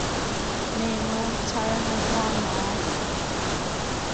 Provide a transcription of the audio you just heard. Memu char na huam maw?